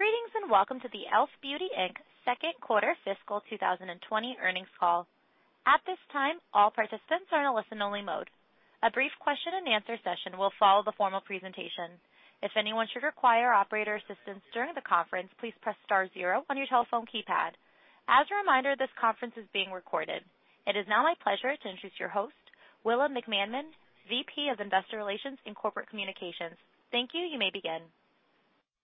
Greetings, and welcome to the e.l.f. Beauty, Inc. second quarter fiscal 2020 earnings call. At this time, all participants are in a listen only mode. A brief question and answer session will follow the formal presentation. If anyone should require operator assistance during the conference, please press star zero on your telephone keypad. As a reminder, this conference is being recorded. It is now my pleasure to introduce your host, Willa McManmon, VP of Investor Relations and Corporate Communications. Thank you. You may begin.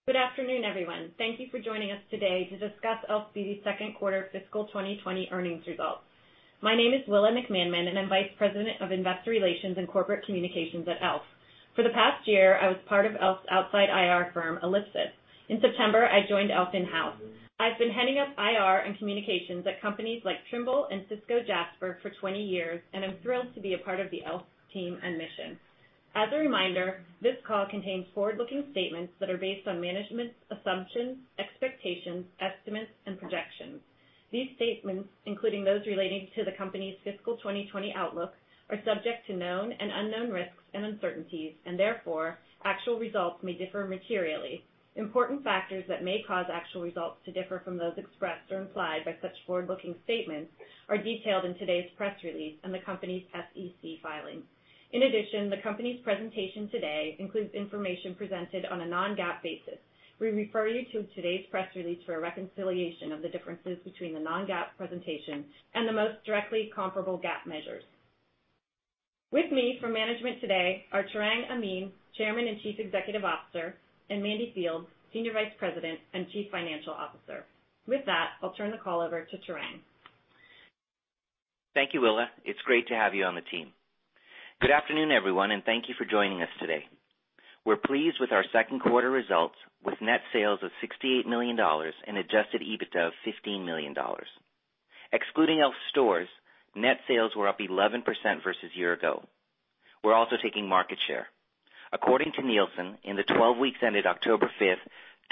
Good afternoon, everyone. Thank you for joining us today to discuss e.l.f. Beauty's second quarter fiscal 2020 earnings results. My name is Willa McManmon, and I'm Vice President of Investor Relations and Corporate Communications at e.l.f. For the past year, I was part of e.l.f.'s outside IR firm, Ellipsis. In September, I joined e.l.f. in-house. I've been heading up IR and communications at companies like Trimble and Cisco Jasper for 20 years, and I'm thrilled to be a part of the e.l.f. team and mission. As a reminder, this call contains forward-looking statements that are based on management's assumptions, expectations, estimates, and projections. These statements, including those relating to the company's fiscal 2020 outlook, are subject to known and unknown risks and uncertainties, and therefore, actual results may differ materially. Important factors that may cause actual results to differ from those expressed or implied by such forward-looking statements are detailed in today's press release and the company's SEC filings. In addition, the company's presentation today includes information presented on a non-GAAP basis. We refer you to today's press release for a reconciliation of the differences between the non-GAAP presentation and the most directly comparable GAAP measures. With me from management today are Tarang Amin, Chairman and Chief Executive Officer, and Mandy Fields, Senior Vice President and Chief Financial Officer. With that, I'll turn the call over to Tarang. Thank you, Willa. It's great to have you on the team. Good afternoon, everyone, and thank you for joining us today. We are pleased with our second quarter results with net sales of $68 million and adjusted EBITDA of $15 million. Excluding e.l.f. stores, net sales were up 11% versus year ago. We are also taking market share. According to Nielsen, in the 12 weeks ended October 5,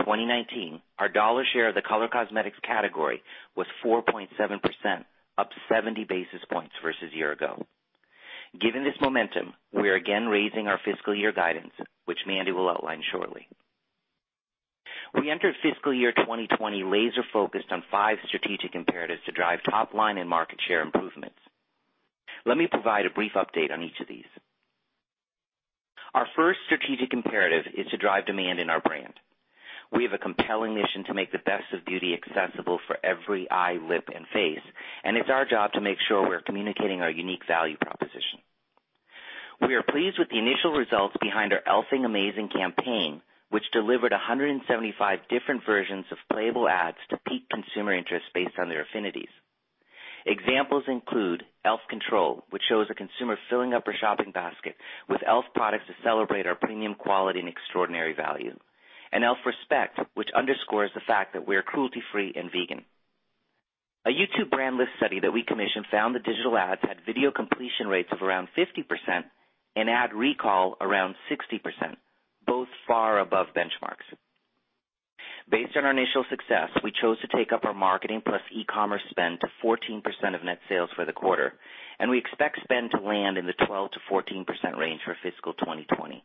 2019, our dollar share of the color cosmetics category was 4.7%, up 70 basis points versus year ago. Given this momentum, we are again raising our fiscal year guidance, which Mandy will outline shortly. We entered fiscal year 2020 laser focused on five strategic imperatives to drive top line and market share improvements. Let me provide a brief update on each of these. Our first strategic imperative is to drive demand in our brand. We have a compelling mission to make the best of beauty accessible for every eye, lip, and face, and it's our job to make sure we're communicating our unique value proposition. We are pleased with the initial results behind our e.l.f.ing Amazing campaign, which delivered 175 different versions of playable ads to pique consumer interest based on their affinities. Examples include e.l.f. Control, which shows a consumer filling up her shopping basket with e.l.f. products to celebrate our premium quality and extraordinary value, and e.l.f. Respect, which underscores the fact that we are cruelty-free and vegan. A YouTube Brand Lift study that we commissioned found that digital ads had video completion rates of around 50% and ad recall around 60%, both far above benchmarks. Based on our initial success, we chose to take up our marketing plus e-commerce spend to 14% of net sales for the quarter, and we expect spend to land in the 12%-14% range for fiscal 2020.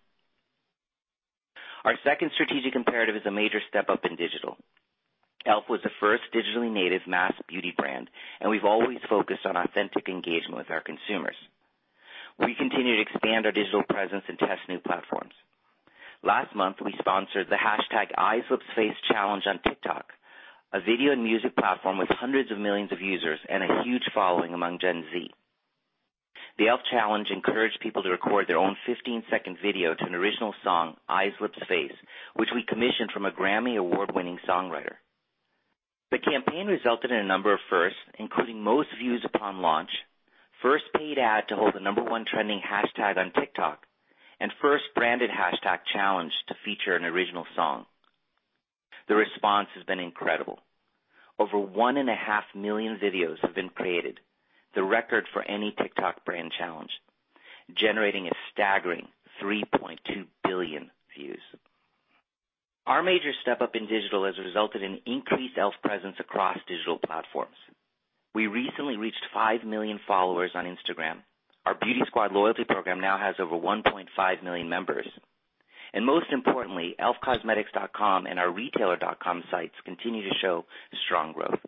Our second strategic imperative is a major step up in digital. e.l.f. was the first digitally native mass beauty brand, and we've always focused on authentic engagement with our consumers. We continue to expand our digital presence and test new platforms. Last month, we sponsored the #EyesLipsFace challenge on TikTok, a video and music platform with hundreds of millions of users and a huge following among Gen Z. The e.l.f. challenge encouraged people to record their own 15-second video to an original song, "Eyes. Lips. Face.," which we commissioned from a Grammy Award-winning songwriter. The campaign resulted in a number of firsts, including most views upon launch, first paid ad to hold the number 1 trending hashtag on TikTok, and first branded hashtag challenge to feature an original song. The response has been incredible. Over 1.5 million videos have been created, the record for any TikTok brand challenge, generating a staggering 3.2 billion views. Our major step up in digital has resulted in increased e.l.f. presence across digital platforms. We recently reached 5 million followers on Instagram. Our Beauty Squad loyalty program now has over 1.5 million members. Most importantly, elfcosmetics.com and our retailer.com sites continue to show strong growth.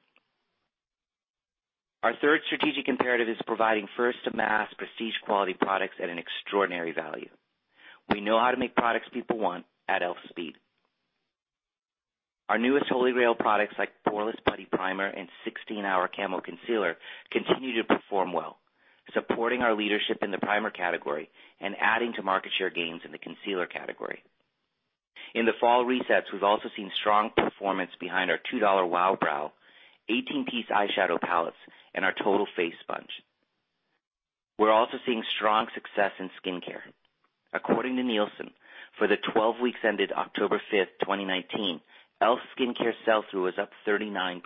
Our third strategic imperative is providing first to mass prestige quality products at an extraordinary value. We know how to make products people want at e.l.f. speed. Our newest Holy Grail products like Poreless Putty Primer and 16HR Camo Concealer continue to perform well, supporting our leadership in the primer category and adding to market share gains in the concealer category. In the fall resets, we've also seen strong performance behind our $2 Wow Brow, 18 piece eyeshadow palettes, and our Total Face Sponge. We're also seeing strong success in skincare. According to Nielsen, for the 12 weeks ended October 5th, 2019, e.l.f. skincare sell-through was up 39%.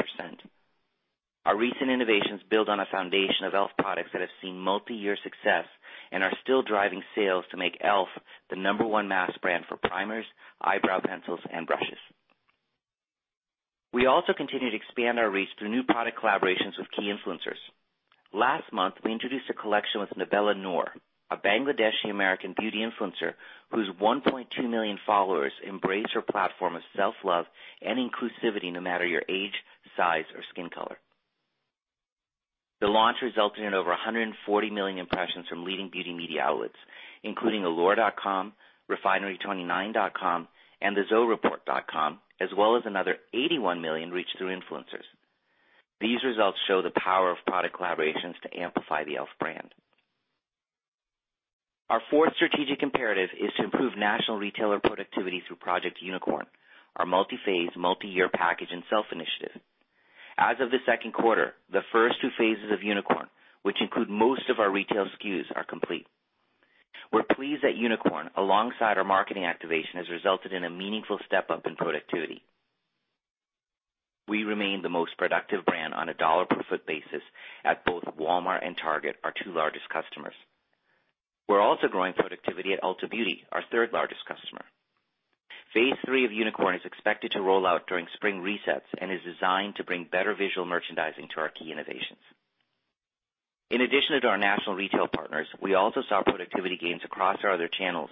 Our recent innovations build on a foundation of e.l.f. products that have seen multi-year success and are still driving sales to make e.l.f. the number one mass brand for primers, eyebrow pencils, and brushes. We also continue to expand our reach through new product collaborations with key influencers. Last month, we introduced a collection with Nabela Noor, a Bangladeshi American beauty influencer whose 1.2 million followers embrace her platform of self-love and inclusivity, no matter your age, size, or skin color. The launch resulted in over 140 million impressions from leading beauty media outlets, including allure.com, refinery29.com, and thezoereport.com, as well as another 81 million reached through influencers. These results show the power of product collaborations to amplify the e.l.f. brand. Our fourth strategic imperative is to improve national retailer productivity through Project Unicorn, our multi-phase, multi-year packaging and shelf initiative. As of the second quarter, the first two phases of Unicorn, which include most of our retail SKUs, are complete. We're pleased that Unicorn, alongside our marketing activation, has resulted in a meaningful step-up in productivity. We remain the most productive brand on a dollar per foot basis at both Walmart and Target, our two largest customers. We're also growing productivity at Ulta Beauty, our third largest customer. Phase 3 of Unicorn is expected to roll out during spring resets and is designed to bring better visual merchandising to our key innovations. In addition to our national retail partners, we also saw productivity gains across our other channels,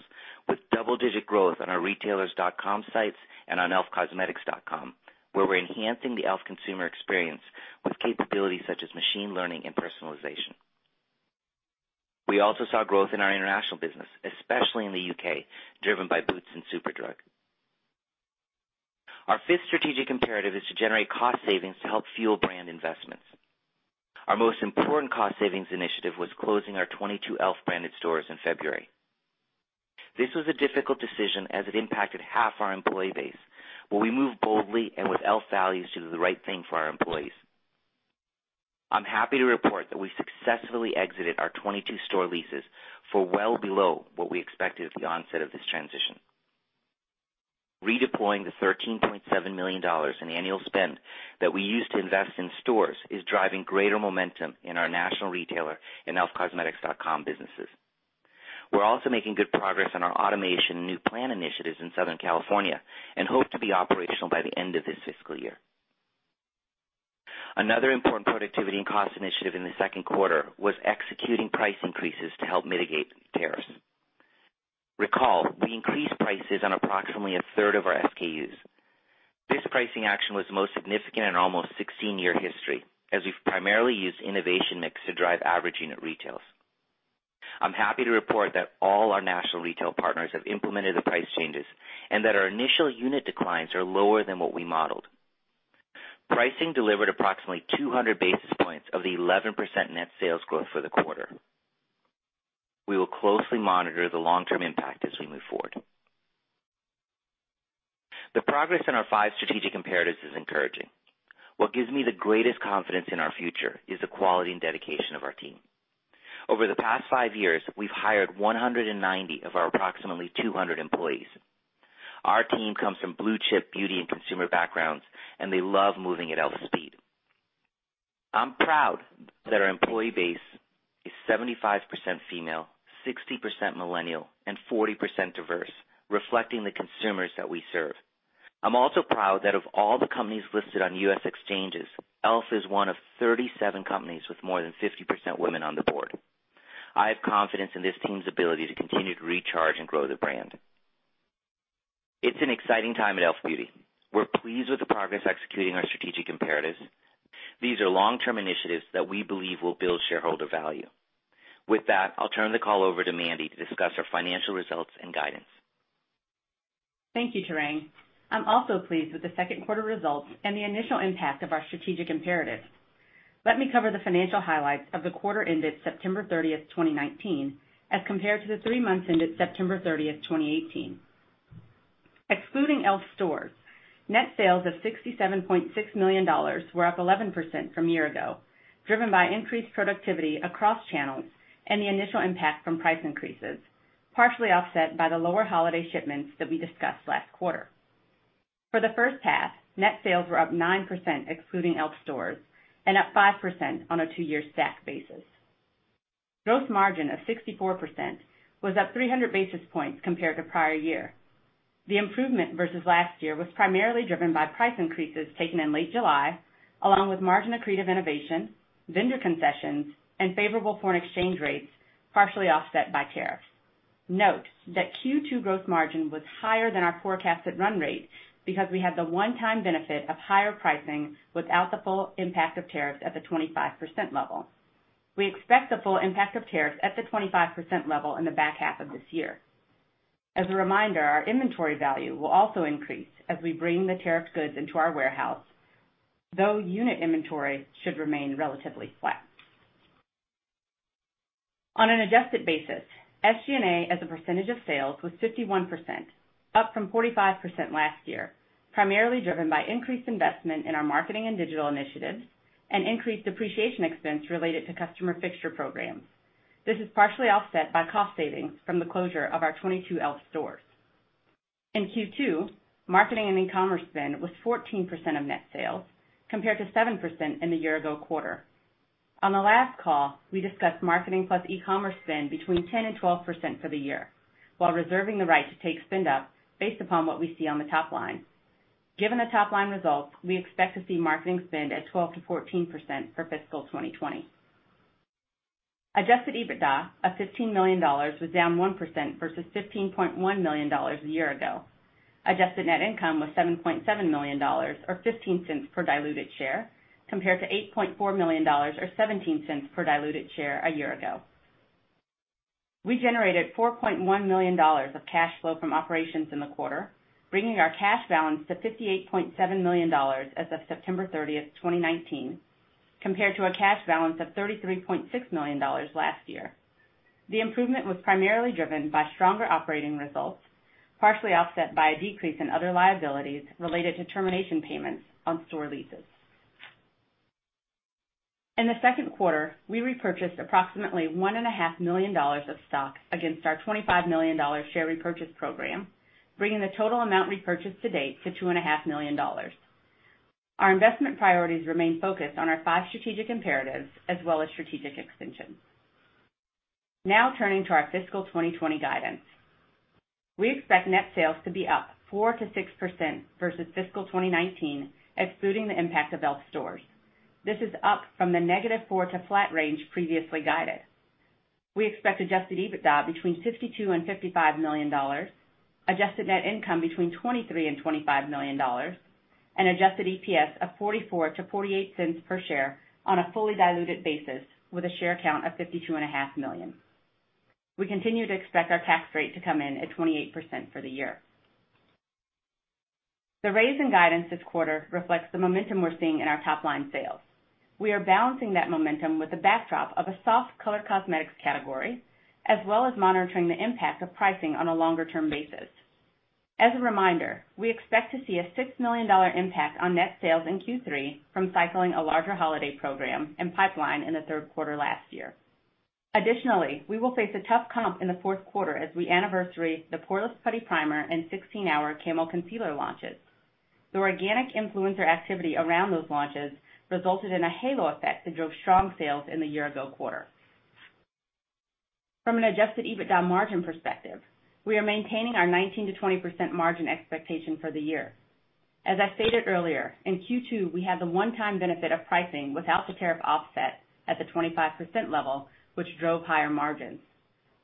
with double-digit growth on our retailers.com sites and on elfcosmetics.com, where we're enhancing the e.l.f. consumer experience with capabilities such as machine learning and personalization. We also saw growth in our international business, especially in the U.K., driven by Boots and Superdrug. Our fifth strategic imperative is to generate cost savings to help fuel brand investments. Our most important cost savings initiative was closing our 22 e.l.f. branded stores in February. This was a difficult decision, as it impacted half our employee base, but we moved boldly and with e.l.f. values to do the right thing for our employees. I'm happy to report that we successfully exited our 22 store leases for well below what we expected at the onset of this transition. Redeploying the $13.7 million in annual spend that we used to invest in stores is driving greater momentum in our national retailer and elfcosmetics.com businesses. We're also making good progress on our automation and new plant initiatives in Southern California and hope to be operational by the end of this fiscal year. Another important productivity and cost initiative in the second quarter was executing price increases to help mitigate tariffs. Recall, we increased prices on approximately a third of our SKUs. This pricing action was the most significant in our almost 16-year history, as we've primarily used innovation mix to drive average unit retails. I'm happy to report that all our national retail partners have implemented the price changes and that our initial unit declines are lower than what we modeled. Pricing delivered approximately 200 basis points of the 11% net sales growth for the quarter. We will closely monitor the long-term impact as we move forward. The progress in our five strategic imperatives is encouraging. What gives me the greatest confidence in our future is the quality and dedication of our team. Over the past five years, we've hired 190 of our approximately 200 employees. Our team comes from blue-chip beauty and consumer backgrounds, and they love moving at e.l.f. speed. I'm proud that our employee base is 75% female, 60% millennial, and 40% diverse, reflecting the consumers that we serve. I'm also proud that of all the companies listed on U.S. exchanges, e.l.f. is one of 37 companies with more than 50% women on the board. I have confidence in this team's ability to continue to recharge and grow the brand. It's an exciting time at e.l.f. Beauty. We're pleased with the progress executing our strategic imperatives. These are long-term initiatives that we believe will build shareholder value. With that, I'll turn the call over to Mandy to discuss our financial results and guidance. Thank you, Tarang. I'm also pleased with the second quarter results and the initial impact of our strategic imperatives. Let me cover the financial highlights of the quarter ended September 30th, 2019, as compared to the three months ended September 30th, 2018. Excluding e.l.f. stores, net sales of $67.6 million were up 11% from a year ago, driven by increased productivity across channels and the initial impact from price increases, partially offset by the lower holiday shipments that we discussed last quarter. For the first half, net sales were up 9%, excluding e.l.f. stores, and up 5% on a two-year stack basis. Gross margin of 64% was up 300 basis points compared to prior year. The improvement versus last year was primarily driven by price increases taken in late July, along with margin-accretive innovation, vendor concessions, and favorable foreign exchange rates, partially offset by tariffs. Note that Q2 gross margin was higher than our forecasted run rate because we had the one-time benefit of higher pricing without the full impact of tariffs at the 25% level. We expect the full impact of tariffs at the 25% level in the back half of this year. As a reminder, our inventory value will also increase as we bring the tariff goods into our warehouse, though unit inventory should remain relatively flat. On an adjusted basis, SG&A as a percentage of sales was 51%, up from 45% last year, primarily driven by increased investment in our marketing and digital initiatives and increased depreciation expense related to customer fixture programs. This is partially offset by cost savings from the closure of our 22 e.l.f. stores. In Q2, marketing and e-commerce spend was 14% of net sales, compared to 7% in the year-ago quarter. On the last call, we discussed marketing plus e-commerce spend between 10% and 12% for the year, while reserving the right to take spend up based upon what we see on the top line. Given the top-line results, we expect to see marketing spend at 12%-14% for fiscal 2020. Adjusted EBITDA of $15 million was down 1% versus $15.1 million a year ago. Adjusted net income was $7.7 million, or $0.15 per diluted share, compared to $8.4 million or $0.17 per diluted share a year ago. We generated $4.1 million of cash flow from operations in the quarter, bringing our cash balance to $58.7 million as of September 30th, 2019, compared to a cash balance of $33.6 million last year. The improvement was primarily driven by stronger operating results, partially offset by a decrease in other liabilities related to termination payments on store leases. In the second quarter, we repurchased approximately $1.5 million of stock against our $25 million share repurchase program, bringing the total amount repurchased to date to $2.5 million. Our investment priorities remain focused on our five strategic imperatives as well as strategic extensions. Now turning to our fiscal 2020 guidance. We expect net sales to be up 4%-6% versus fiscal 2019, excluding the impact of e.l.f. stores. This is up from the -4% to flat range previously guided. We expect adjusted EBITDA between $52 million and $55 million, adjusted net income between $23 million and $25 million, and adjusted EPS of $0.44-$0.48 per share on a fully diluted basis with a share count of 52.5 million. We continue to expect our tax rate to come in at 28% for the year. The raise in guidance this quarter reflects the momentum we're seeing in our top-line sales. We are balancing that momentum with the backdrop of a soft color cosmetics category, as well as monitoring the impact of pricing on a longer-term basis. As a reminder, we expect to see a $6 million impact on net sales in Q3 from cycling a larger holiday program and pipeline in the third quarter last year. Additionally, we will face a tough comp in the fourth quarter as we anniversary the Poreless Putty Primer and 16HR Camo Concealer launches. The organic influencer activity around those launches resulted in a halo effect that drove strong sales in the year-ago quarter. From an adjusted EBITDA margin perspective, we are maintaining our 19%-20% margin expectation for the year. As I stated earlier, in Q2, we had the one-time benefit of pricing without the tariff offset at the 25% level, which drove higher margins.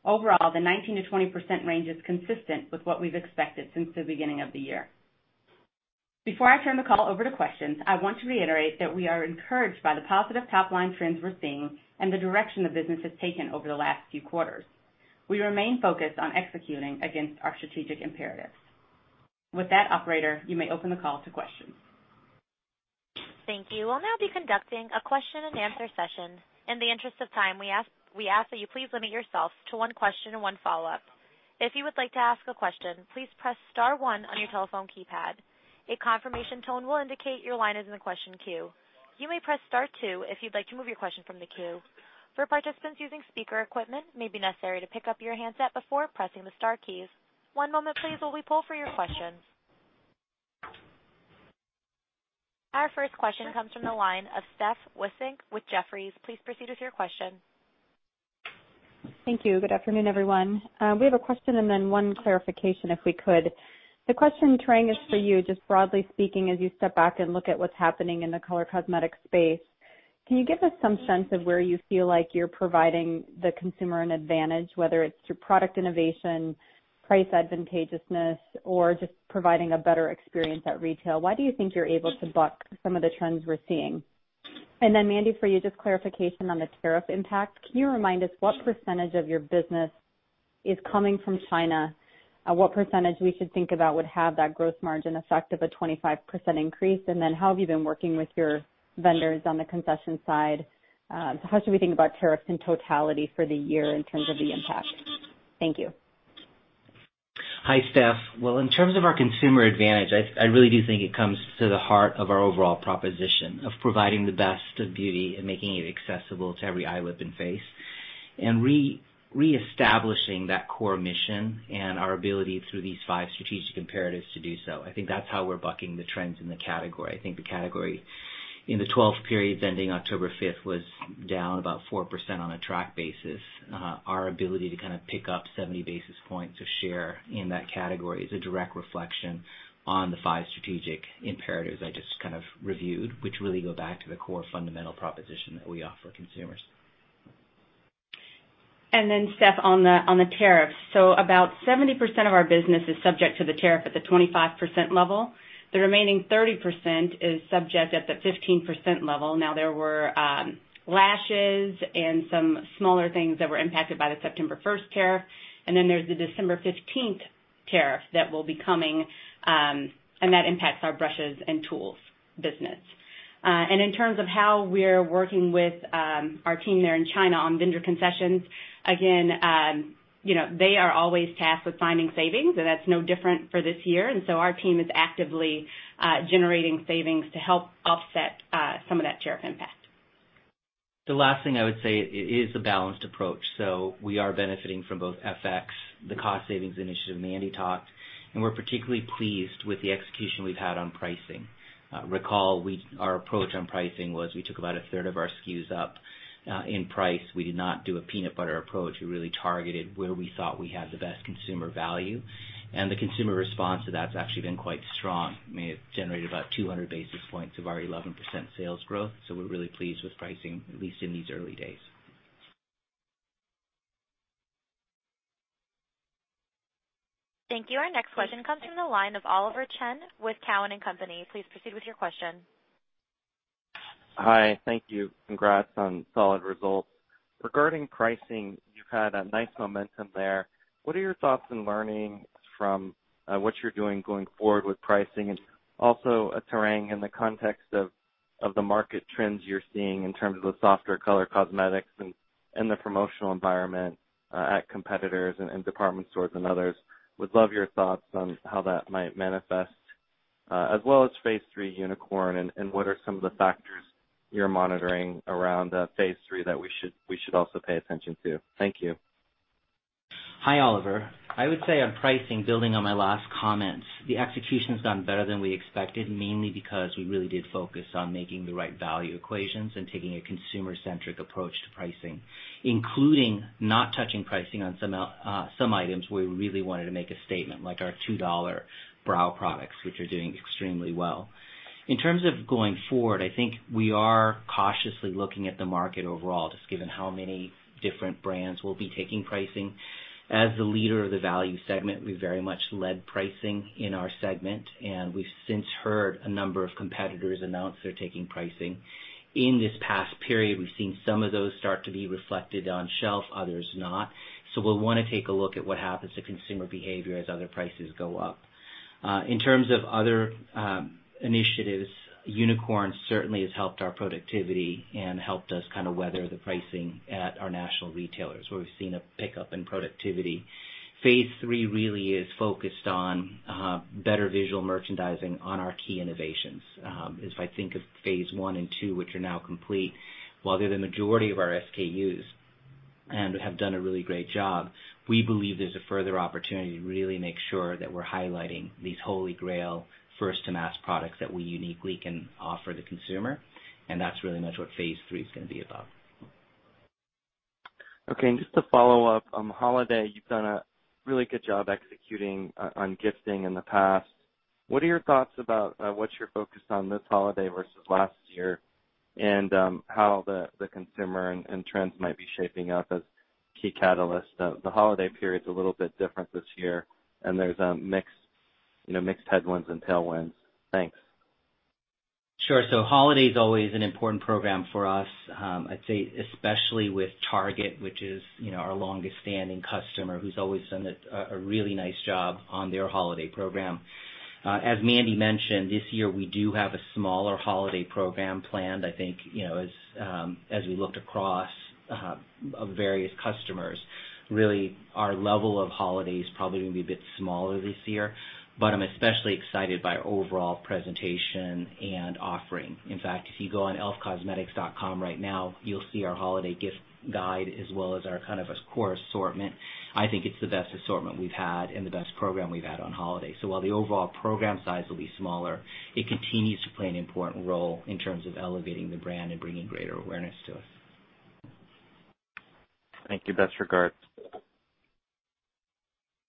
Overall, the 19%-20% range is consistent with what we've expected since the beginning of the year. Before I turn the call over to questions, I want to reiterate that we are encouraged by the positive top-line trends we're seeing and the direction the business has taken over the last few quarters. We remain focused on executing against our strategic imperatives. With that, operator, you may open the call to questions. Thank you. We will now be conducting a question and answer session. In the interest of time, we ask that you please limit yourself to one question and one follow-up. If you would like to ask a question, please press star one on your telephone keypad. A confirmation tone will indicate your line is in the question queue. You may press star two if you would like to move your question from the queue. For participants using speaker equipment, it may be necessary to pick up your handset before pressing the star keys. One moment please while we pull for your questions. Our first question comes from the line of Steph Wissink with Jefferies. Please proceed with your question. Thank you. Good afternoon, everyone. We have a question and one clarification, if we could. The question, Tarang, is for you. Just broadly speaking, as you step back and look at what's happening in the color cosmetics space, can you give us some sense of where you feel like you're providing the consumer an advantage, whether it's through product innovation, price advantageousness, or just providing a better experience at retail? Why do you think you're able to buck some of the trends we're seeing? Mandy, for you, just clarification on the tariff impact. Can you remind us what percentage of your business is coming from China? What percentage we should think about would have that gross margin effect of a 25% increase? How have you been working with your vendors on the concession side? How should we think about tariffs in totality for the year in terms of the impact? Thank you. Hi, Steph. Well, in terms of our consumer advantage, I really do think it comes to the heart of our overall proposition of providing the best of beauty and making it accessible to every eye, lip, and face, and reestablishing that core mission and our ability through these five strategic imperatives to do so. I think that's how we're bucking the trends in the category. I think the category in the 12 periods ending October 5th was down about 4% on a track basis. Our ability to kind of pick up 70 basis points of share in that category is a direct reflection on the five strategic imperatives I just kind of reviewed, which really go back to the core fundamental proposition that we offer consumers. Steph, on the tariffs. About 70% of our business is subject to the tariff at the 25% level. The remaining 30% is subject at the 15% level. There were lashes and some smaller things that were impacted by the September 1st tariff, and then there's the December 15th tariff that will be coming, and that impacts our brushes and tools business. In terms of how we're working with our team there in China on vendor concessions, again, they are always tasked with finding savings. That's no different for this year. Our team is actively generating savings to help offset some of that tariff impact. The last thing I would say, it is a balanced approach. We are benefiting from both FX, the cost savings initiative Mandy talked, and we're particularly pleased with the execution we've had on pricing. Recall, our approach on pricing was we took about a third of our SKUs up in price. We did not do a peanut butter approach. We really targeted where we thought we had the best consumer value. The consumer response to that's actually been quite strong. It may have generated about 200 basis points of our 11% sales growth. We're really pleased with pricing, at least in these early days. Thank you. Our next question comes from the line of Oliver Chen with Cowen and Company. Please proceed with your question. Hi. Thank you. Congrats on solid results. Regarding pricing, you've had a nice momentum there. What are your thoughts and learnings from what you're doing going forward with pricing and also, Tarang, in the context of the market trends you're seeing in terms of the softer color cosmetics and the promotional environment at competitors and department stores and others? Would love your thoughts on how that might manifest, as well as Phase 3 Unicorn and what are some of the factors you're monitoring around Phase 3 that we should also pay attention to. Thank you. Hi, Oliver. I would say on pricing, building on my last comments, the execution's done better than we expected, mainly because we really did focus on making the right value equations and taking a consumer-centric approach to pricing, including not touching pricing on some items where we really wanted to make a statement, like our $2 brow products, which are doing extremely well. In terms of going forward, I think we are cautiously looking at the market overall, just given how many different brands will be taking pricing. As the leader of the value segment, we very much led pricing in our segment, and we've since heard a number of competitors announce they're taking pricing. In this past period, we've seen some of those start to be reflected on shelf, others not. We'll want to take a look at what happens to consumer behavior as other prices go up. In terms of other initiatives, Unicorn certainly has helped our productivity and helped us weather the pricing at our national retailers, where we've seen a pickup in productivity. Phase 3 really is focused on better visual merchandising on our key innovations. If I think of Phase 1 and 2, which are now complete, while they're the majority of our SKUs and have done a really great job, we believe there's a further opportunity to really make sure that we're highlighting these holy grail first-to-mass products that we uniquely can offer the consumer, and that's really much what Phase 3 is going to be about. Okay. Just to follow up, on holiday, you've done a really good job executing on gifting in the past. What are your thoughts about what you're focused on this holiday versus last year and how the consumer and trends might be shaping up as key catalysts? The holiday period's a little bit different this year. There's mixed headwinds and tailwinds. Thanks. Sure. Holiday's always an important program for us. I'd say especially with Target, which is our longest-standing customer, who's always done a really nice job on their holiday program. As Mandy mentioned, this year we do have a smaller holiday program planned. I think, as we looked across various customers, really our level of holiday is probably going to be a bit smaller this year, but I'm especially excited by overall presentation and offering. In fact, if you go on elfcosmetics.com right now, you'll see our holiday gift guide as well as our core assortment. I think it's the best assortment we've had and the best program we've had on holiday. While the overall program size will be smaller, it continues to play an important role in terms of elevating the brand and bringing greater awareness to us. Thank you. Best regards.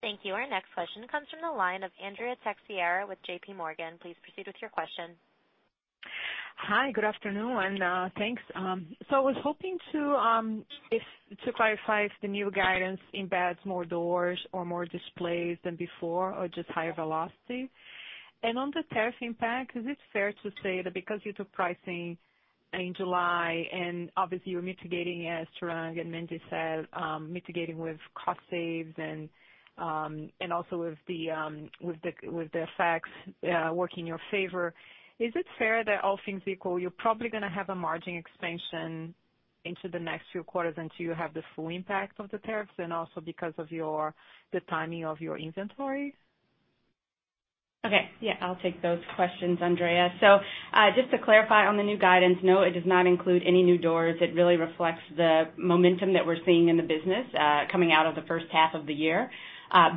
Thank you. Our next question comes from the line of Andrea Teixeira with J.P. Morgan. Please proceed with your question. Hi. Good afternoon, and thanks. I was hoping to clarify if the new guidance embeds more doors or more displays than before or just higher velocity. On the tariff impact, is it fair to say that because you took pricing in July and obviously you're mitigating, as Tarang and Mandy said, mitigating with cost saves and also with the FX working your favor, is it fair that all things equal, you're probably going to have a margin expansion into the next few quarters until you have the full impact of the tariffs and also because of the timing of your inventories? Okay. Yeah, I'll take those questions, Andrea. Just to clarify on the new guidance, no, it does not include any new doors. It really reflects the momentum that we're seeing in the business coming out of the first half of the year,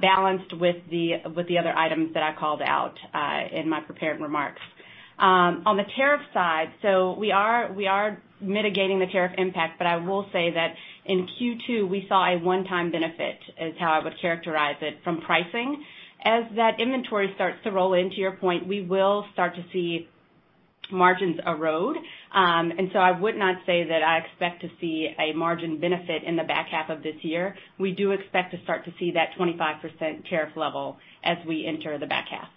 balanced with the other items that I called out in my prepared remarks. On the tariff side, we are mitigating the tariff impact. I will say that in Q2, we saw a one-time benefit, is how I would characterize it, from pricing. As that inventory starts to roll in, to your point, we will start to see margins erode. I would not say that I expect to see a margin benefit in the back half of this year. We do expect to start to see that 25% tariff level as we enter the back half.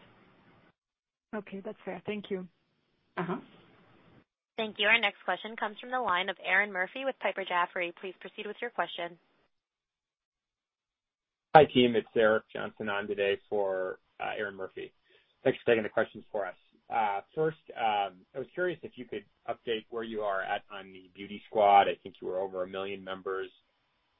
Okay. That's fair. Thank you. Thank you. Our next question comes from the line of Erinn Murphy with Piper Sandler. Please proceed with your question. Hi, team. It's Eric Johnson on today for Erinn Murphy. Thanks for taking the questions for us. First, I was curious if you could update where you are at on the Beauty Squad. I think you were over 1 million members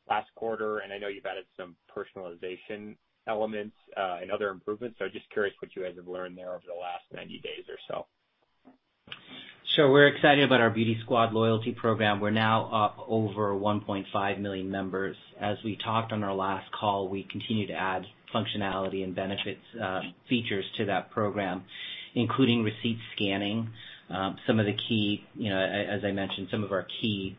last quarter, and I know you've added some personalization elements and other improvements. Just curious what you guys have learned there over the last 90 days or so. We're excited about our Beauty Squad loyalty program. We're now up over 1.5 million members. As we talked on our last call, we continue to add functionality and benefits features to that program, including receipt scanning. As I mentioned, some of our key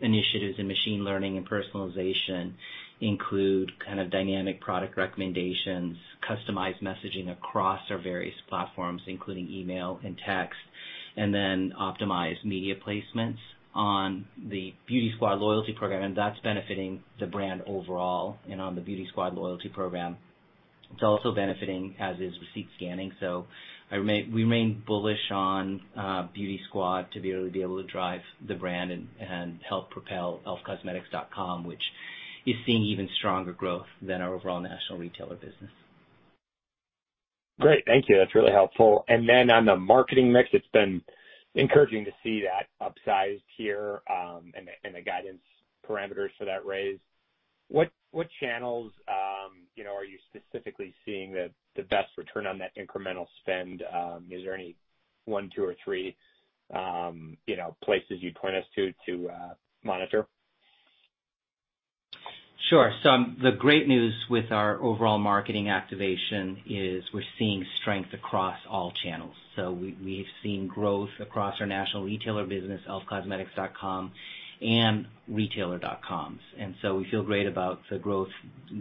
initiatives in machine learning and personalization include kind of dynamic product recommendations, customized messaging across our various platforms, including email and text, and then optimized media placements on the Beauty Squad loyalty program. That's benefiting the brand overall and on the Beauty Squad loyalty program. It's also benefiting, as is receipt scanning. I remain bullish on Beauty Squad to really be able to drive the brand and help propel elfcosmetics.com, which is seeing even stronger growth than our overall national retailer business. Great. Thank you. That's really helpful. On the marketing mix, it's been encouraging to see that upsized here, and the guidance parameters for that raise. What channels are you specifically seeing the best return on that incremental spend? Is there any one, two, or three places you'd point us to monitor? Sure. The great news with our overall marketing activation is we're seeing strength across all channels. We've seen growth across our national retailer business, elfcosmetics.com, and retailer dot coms. We feel great about the growth,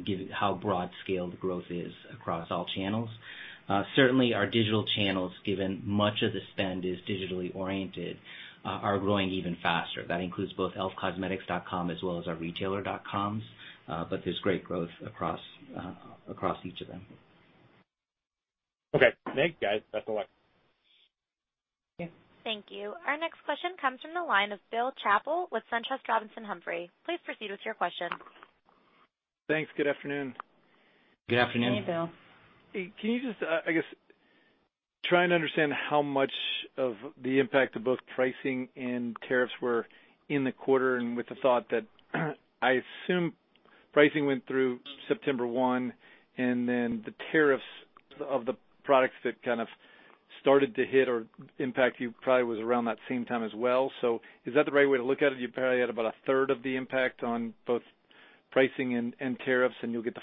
given how broad scale the growth is across all channels. Certainly, our digital channels, given much of the spend is digitally oriented, are growing even faster. That includes both elfcosmetics.com as well as our retailer dot coms. There's great growth across each of them. Okay. Thanks, guys. That's all I have. Yeah. Thank you. Our next question comes from the line of Bill Chappell with SunTrust Robinson Humphrey. Please proceed with your question. Thanks. Good afternoon. Good afternoon. Hey, Bill. Hey, can you just, I guess, trying to understand how much of the impact of both pricing and tariffs were in the quarter and with the thought that I assume pricing went through September 1, and then the tariffs of the products that kind of started to hit or impact you probably was around that same time as well. Is that the right way to look at it? You probably had about a third of the impact on both pricing and tariffs, and you'll get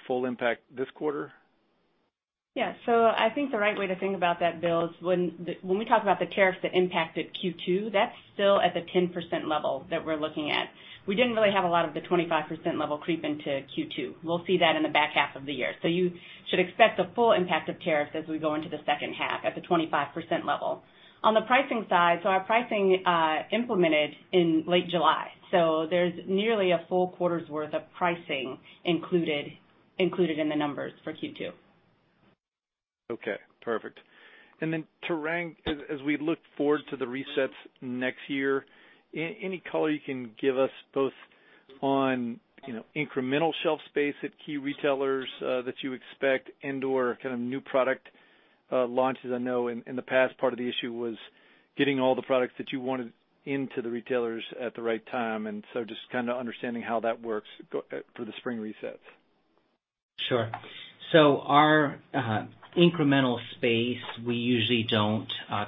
the full impact this quarter? I think the right way to think about that, Bill, is when we talk about the tariffs that impacted Q2, that's still at the 10% level that we're looking at. We didn't really have a lot of the 25% level creep into Q2. We'll see that in the back half of the year. You should expect the full impact of tariffs as we go into the second half at the 25% level. On the pricing side, our pricing, implemented in late July. There's nearly a full quarter's worth of pricing included in the numbers for Q2. Okay, perfect. Tarang, as we look forward to the resets next year, any color you can give us both on incremental shelf space at key retailers, that you expect and/or kind of new product launches? I know in the past, part of the issue was getting all the products that you wanted into the retailers at the right time, just kind of understanding how that works for the spring resets. Sure. Our incremental space, we usually don't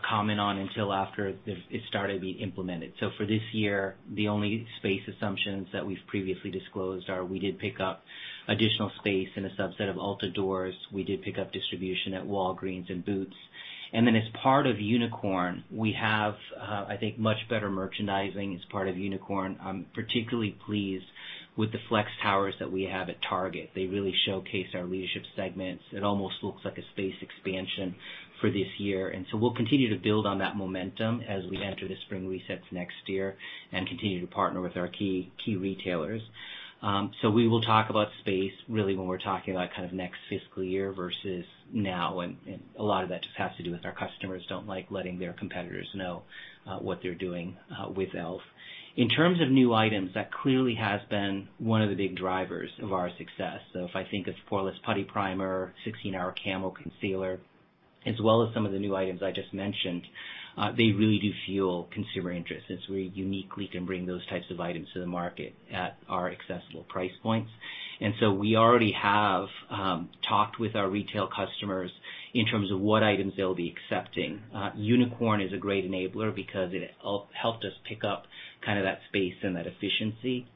comment on until after it's started being implemented. For this year, the only space assumptions that we've previously disclosed are we did pick up additional space in a subset of Ulta doors. We did pick up distribution at Walgreens and Boots. As part of Unicorn, we have, I think, much better merchandising as part of Unicorn. I'm particularly pleased with the flex towers that we have at Target. They really showcase our leadership segments. It almost looks like a space expansion for this year. We'll continue to build on that momentum as we enter the spring resets next year and continue to partner with our key retailers. We will talk about space really when we're talking about kind of next fiscal year versus now, and a lot of that just has to do with our customers don't like letting their competitors know what they're doing with e.l.f. In terms of new items, that clearly has been one of the big drivers of our success. If I think of Poreless Putty Primer, 16HR Camo Concealer, as well as some of the new items I just mentioned, they really do fuel consumer interest, since we uniquely can bring those types of items to the market at our accessible price points. We already have talked with our retail customers in terms of what items they'll be accepting. Unicorn is a great enabler because it helped us pick up kind of that space and that efficiency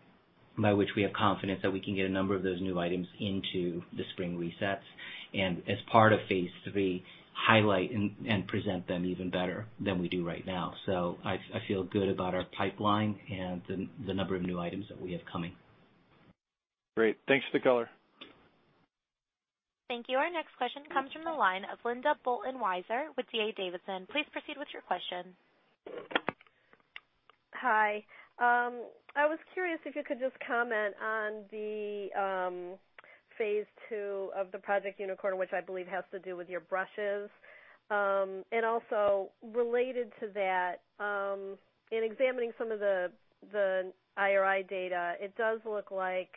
by which we have confidence that we can get a number of those new items into the spring resets, and as part of phase 3, highlight and present them even better than we do right now. I feel good about our pipeline and the number of new items that we have coming. Great. Thanks for the color. Thank you. Our next question comes from the line of Linda Bolton Weiser with D.A. Davidson. Please proceed with your question. Hi. I was curious if you could just comment on the phase 2 of the Project Unicorn, which I believe has to do with your brushes. Also related to that, in examining some of the IRI data, it does look like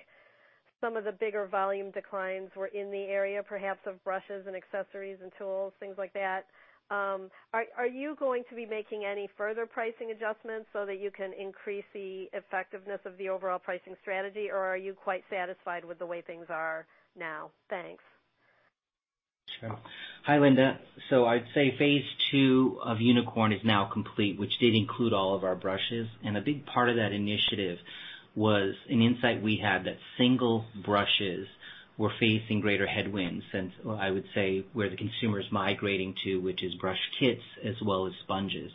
some of the bigger volume declines were in the area, perhaps of brushes and accessories and tools, things like that. Are you going to be making any further pricing adjustments so that you can increase the effectiveness of the overall pricing strategy, or are you quite satisfied with the way things are now? Thanks. Sure. Hi, Linda. I'd say phase 2 of Unicorn is now complete, which did include all of our brushes. A big part of that initiative was an insight we had that single brushes were facing greater headwinds. I would say where the consumer's migrating to, which is brush kits as well as sponges.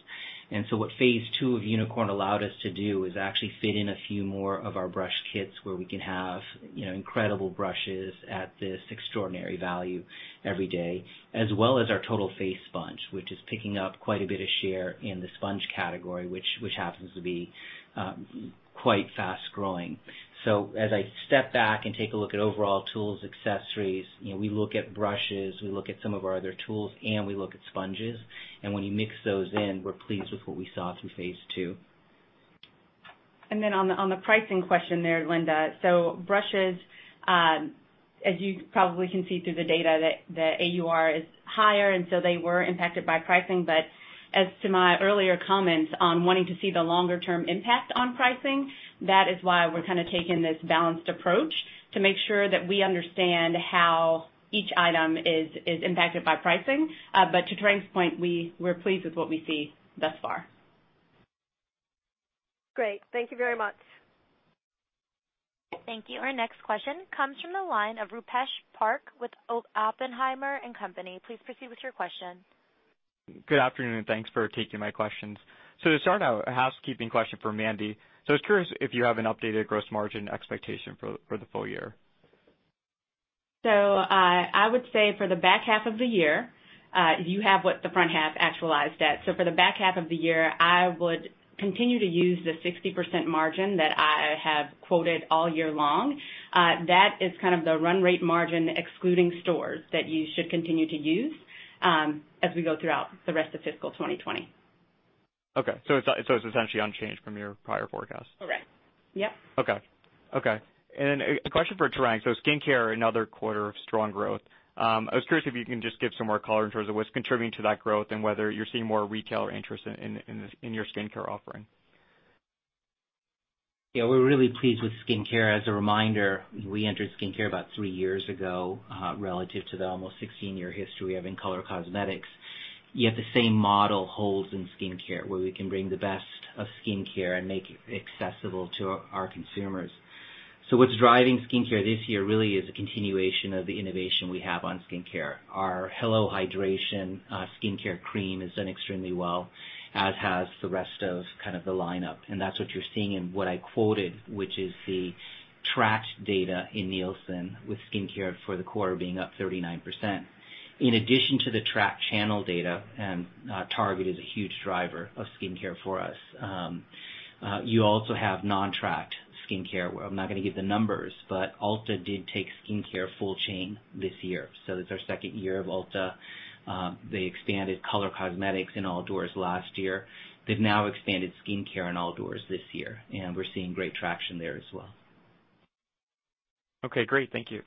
What phase 2 of Unicorn allowed us to do is actually fit in a few more of our brush kits where we can have incredible brushes at this extraordinary value every day, as well as our Total Face Sponge, which is picking up quite a bit of share in the sponge category, which happens to be quite fast-growing. As I step back and take a look at overall tools, accessories, we look at brushes, we look at some of our other tools, and we look at sponges. When you mix those in, we're pleased with what we saw through phase II. On the pricing question there, Linda, brushes, as you probably can see through the data, that the AUR is higher, they were impacted by pricing. As to my earlier comments on wanting to see the longer-term impact on pricing, that is why we're kind of taking this balanced approach to make sure that we understand how each item is impacted by pricing. To Tarang's point, we're pleased with what we see thus far. Great. Thank you very much. Thank you. Our next question comes from the line of Rupesh Parikh with Oppenheimer & Co. Please proceed with your question. Good afternoon, thanks for taking my questions. To start out, a housekeeping question for Mandy. I was curious if you have an updated gross margin expectation for the full year. I would say for the back half of the year, you have what the front half actualized at. For the back half of the year, I would continue to use the 60% margin that I have quoted all year long. That is kind of the run rate margin, excluding stores, that you should continue to use, as we go throughout the rest of fiscal 2020. Okay, it's essentially unchanged from your prior forecast? Correct. Yep. Okay. A question for Tarang. Skincare, another quarter of strong growth. I was curious if you can just give some more color in terms of what's contributing to that growth and whether you're seeing more retailer interest in your skincare offering? We're really pleased with skincare. As a reminder, we entered skincare about three years ago, relative to the almost 16-year history we have in color cosmetics. The same model holds in skincare, where we can bring the best of skincare and make it accessible to our consumers. What's driving skincare this year really is a continuation of the innovation we have on skincare. Our Hello Hydration! skincare cream has done extremely well, as has the rest of kind of the lineup. That's what you're seeing in what I quoted, which is the tracked data in Nielsen with skincare for the quarter being up 39%. In addition to the tracked channel data, Target is a huge driver of skincare for us. You also have non-tracked skincare, where I'm not going to give the numbers, but Ulta did take skincare full chain this year. It's our second year of Ulta. They expanded color cosmetics in all doors last year. They've now expanded skincare in all doors this year, and we're seeing great traction there as well. Okay, great. Thank you.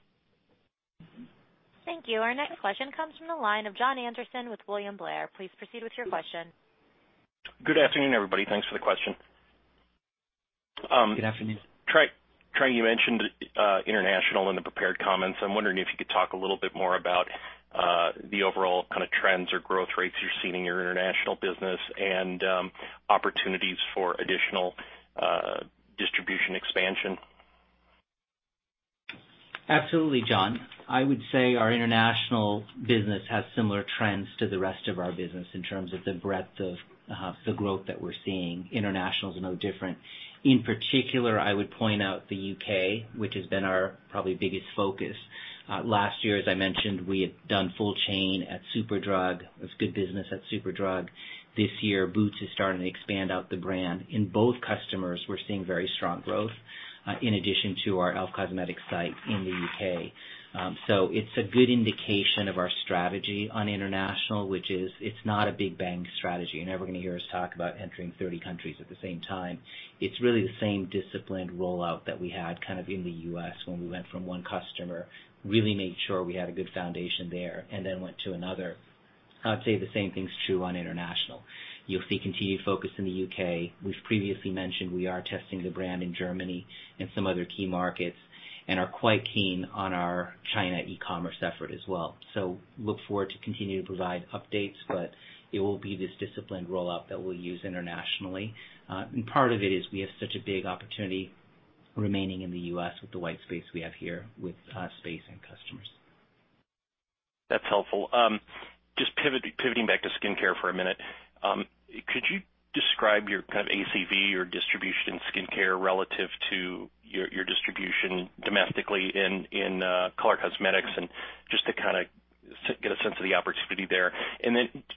Thank you. Our next question comes from the line of Jon Andersen with William Blair. Please proceed with your question. Good afternoon, everybody. Thanks for the question. Good afternoon. Tarang, you mentioned international in the prepared comments. I'm wondering if you could talk a little bit more about the overall kind of trends or growth rates you're seeing in your international business and opportunities for additional distribution expansion. Absolutely, Jon. I would say our international business has similar trends to the rest of our business in terms of the breadth of the growth that we're seeing. International is no different. In particular, I would point out the U.K., which has been our probably biggest focus. Last year, as I mentioned, we had done full chain at Superdrug. It was good business at Superdrug. This year, Boots is starting to expand out the brand. In both customers, we're seeing very strong growth, in addition to our elfcosmetics.com site in the U.K. It's a good indication of our strategy on international, which is it's not a big bang strategy. You're never going to hear us talk about entering 30 countries at the same time. It's really the same disciplined rollout that we had kind of in the U.S. when we went from one customer, really made sure we had a good foundation there, and then went to another. I'd say the same thing's true on international. You'll see continued focus in the U.K. We've previously mentioned we are testing the brand in Germany and some other key markets and are quite keen on our China e-commerce effort as well. Look forward to continuing to provide updates, but it will be this disciplined rollout that we'll use internationally. Part of it is we have such a big opportunity remaining in the U.S. with the white space we have here with space and customers. That's helpful. Just pivoting back to skincare for a minute. Could you describe your kind of ACV or distribution in skincare relative to your distribution domestically in color cosmetics and just to kind of get a sense of the opportunity there.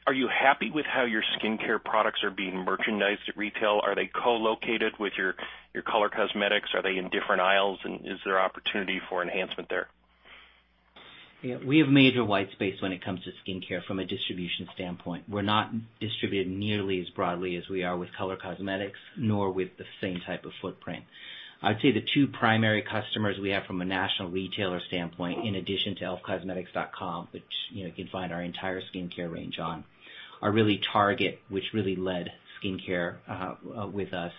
Are you happy with how your skincare products are being merchandised at retail? Are they co-located with your color cosmetics? Are they in different aisles, and is there opportunity for enhancement there? We have major white space when it comes to skincare from a distribution standpoint. We're not distributed nearly as broadly as we are with color cosmetics, nor with the same type of footprint. I'd say the two primary customers we have from a national retailer standpoint, in addition to elfcosmetics.com, which you can find our entire skincare range on, are really Target, which really led skincare with us,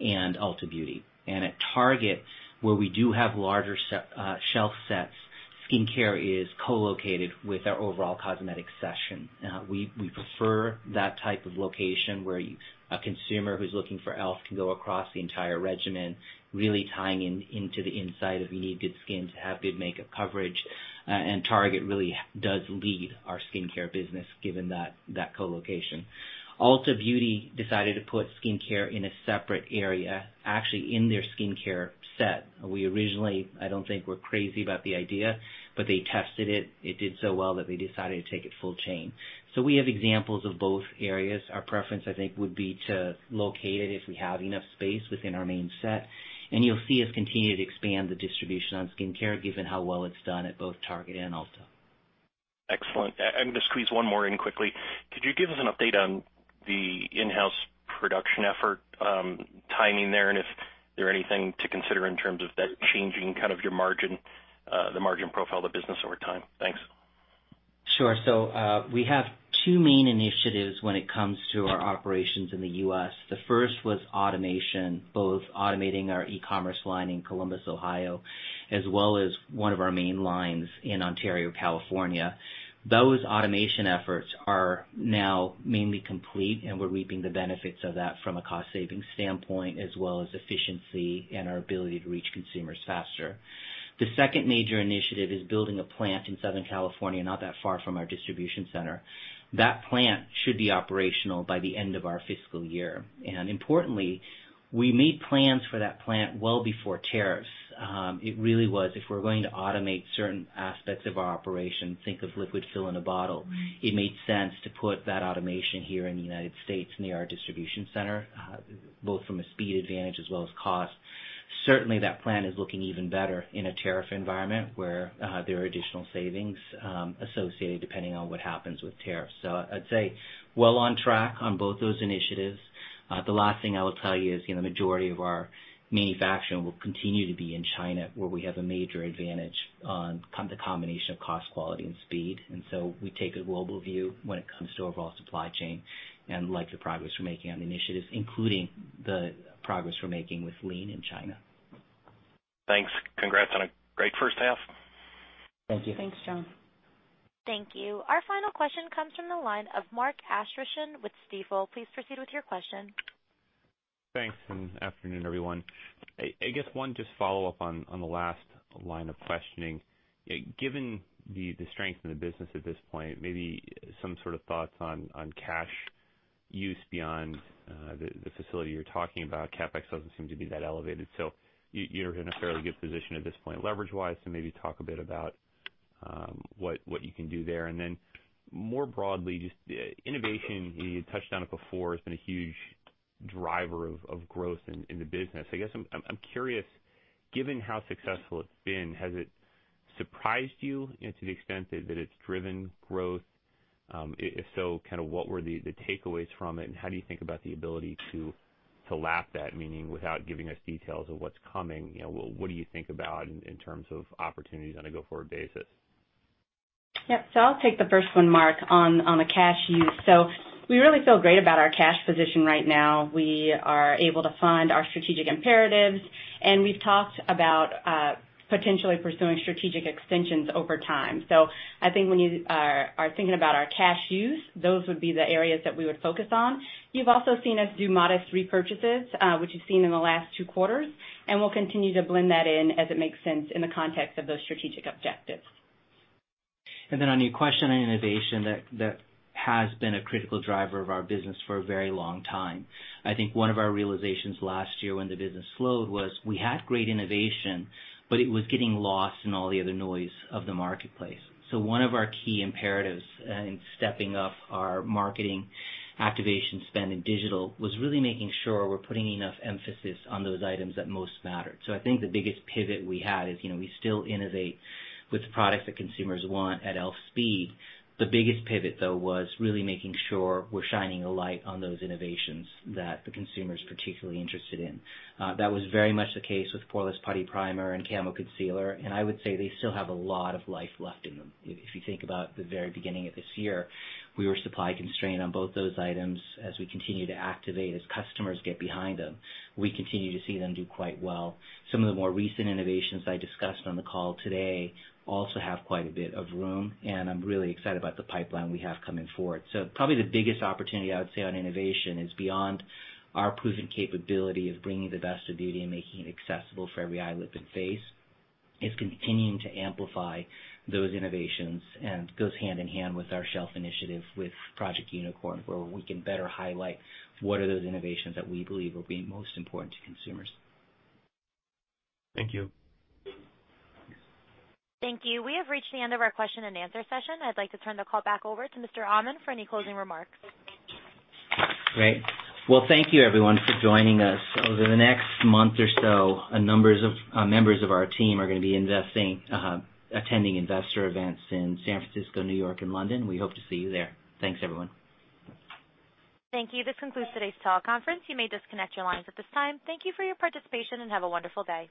and Ulta Beauty. At Target, where we do have larger shelf sets, skincare is co-located with our overall cosmetics section. We prefer that type of location where a consumer who's looking for e.l.f. can go across the entire regimen, really tying into the insight of you need good skin to have good makeup coverage. Target really does lead our skincare business, given that co-location. Ulta Beauty decided to put skincare in a separate area, actually in their skincare set. We originally, I don't think, were crazy about the idea, but they tested it. It did so well that they decided to take it full chain. We have examples of both areas. Our preference, I think, would be to locate it, if we have enough space, within our main set, and you'll see us continue to expand the distribution on skincare, given how well it's done at both Target and Ulta. Excellent. I'm going to squeeze one more in quickly. Could you give us an update on the in-house production effort, timing there, and if there anything to consider in terms of that changing kind of your margin, the margin profile of the business over time? Thanks. Sure. We have two main initiatives when it comes to our operations in the U.S. The first was automation, both automating our e-commerce line in Columbus, Ohio, as well as one of our main lines in Ontario, California. Those automation efforts are now mainly complete, and we're reaping the benefits of that from a cost-savings standpoint, as well as efficiency and our ability to reach consumers faster. The second major initiative is building a plant in Southern California, not that far from our distribution center. That plant should be operational by the end of our fiscal year. Importantly, we made plans for that plant well before tariffs. It really was, if we're going to automate certain aspects of our operation, think of liquid fill in a bottle, it made sense to put that automation here in the United States near our distribution center, both from a speed advantage as well as cost. Certainly, that plan is looking even better in a tariff environment where there are additional savings associated, depending on what happens with tariffs. I'd say well on track on both those initiatives. The last thing I will tell you is the majority of our manufacturing will continue to be in China, where we have a major advantage on the combination of cost, quality, and speed. We take a global view when it comes to overall supply chain and like the progress we're making on initiatives, including the progress we're making with Lean in China. Thanks. Congrats on a great first half. Thank you. Thanks, Jon. Thank you. Our final question comes from the line of Mark Astrachan with Stifel. Please proceed with your question. Thanks. Afternoon, everyone. I guess one, just follow up on the last line of questioning. Given the strength in the business at this point, maybe some sort of thoughts on cash use beyond the facility you're talking about. CapEx doesn't seem to be that elevated. You're in a fairly good position at this point, leverage-wise. Maybe talk a bit about what you can do there. More broadly, just innovation, you touched on it before, it's been a huge driver of growth in the business. I guess I'm curious, given how successful it's been, has it surprised you to the extent that it's driven growth? If so, kind of what were the takeaways from it, and how do you think about the ability to lap that, meaning without giving us details of what's coming, what do you think about in terms of opportunities on a go-forward basis? Yep. I'll take the first one, Mark, on the cash use. We really feel great about our cash position right now. We are able to fund our strategic imperatives, and we've talked about potentially pursuing strategic extensions over time. I think when you are thinking about our cash use, those would be the areas that we would focus on. You've also seen us do modest repurchases, which you've seen in the last two quarters, and we'll continue to blend that in as it makes sense in the context of those strategic objectives. On your question on innovation, that has been a critical driver of our business for a very long time. I think one of our realizations last year when the business slowed was we had great innovation, but it was getting lost in all the other noise of the marketplace. One of our key imperatives in stepping up our marketing activation spend in digital was really making sure we're putting enough emphasis on those items that most mattered. I think the biggest pivot we had is, we still innovate with the products that consumers want at e.l.f. speed. The biggest pivot, though, was really making sure we're shining a light on those innovations that the consumer's particularly interested in. That was very much the case with Poreless Putty Primer and Camo Concealer, and I would say they still have a lot of life left in them. If you think about the very beginning of this year, we were supply constrained on both those items. As we continue to activate, as customers get behind them, we continue to see them do quite well. Some of the more recent innovations I discussed on the call today also have quite a bit of room, and I'm really excited about the pipeline we have coming forward. Probably the biggest opportunity I would say on innovation is beyond our proven capability of bringing the best of beauty and making it accessible for every eye, lip, and face, is continuing to amplify those innovations and goes hand in hand with our shelf initiative with Project Unicorn, where we can better highlight what are those innovations that we believe will be most important to consumers. Thank you. Thank you. We have reached the end of our question and answer session. I'd like to turn the call back over to Mr. Amin for any closing remarks. Great. Well, thank you everyone for joining us. Over the next month or so, members of our team are going to be attending investor events in San Francisco, New York, and London. We hope to see you there. Thanks, everyone. Thank you. This concludes today's teleconference. You may disconnect your lines at this time. Thank you for your participation, and have a wonderful day.